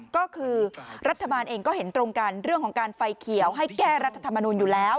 ก็คือรัฐบาลเองก็เห็นตรงกันเรื่องของการไฟเขียวให้แก้รัฐธรรมนุนอยู่แล้ว